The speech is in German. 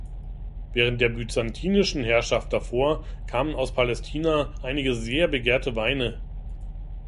Während der byzantinischen Herrschaft davor kamen aus Palästina einige sehr begehrte Weine.